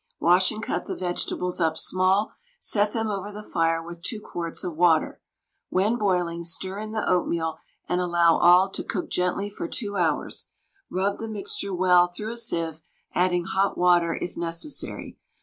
Wash and cut the vegetables up small, set them over the fire with 2 quarts of water. When boiling, stir in the oatmeal and allow all to cook gently for 2 hours. Rub the mixture well through a sieve, adding hot water it necessary.